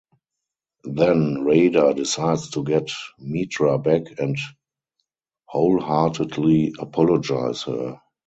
Then Radha decides to get Mitra back and wholeheartedly apologize her.